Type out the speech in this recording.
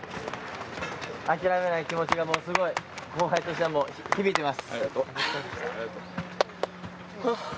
諦めない気持ちがすごい、後輩としては響いています。